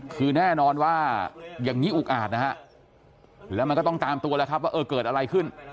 คือแน่นอนว่าอย่างนี้อุกอาจนะฮะแล้วมันก็ต้องตามตัวแล้วครับว่าเออเกิดอะไรขึ้น